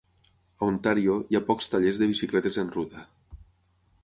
A Ontario, hi ha pocs tallers de bicicletes en ruta.